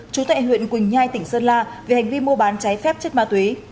chú tại huyện quỳnh nhai tỉnh sơn la về hành vi mua bán trái phép chất ma túy